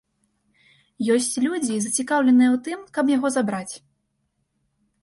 Ёсць людзі, зацікаўленыя ў тым, каб яго забраць.